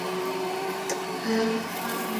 আয়াপ্পা এর জয়!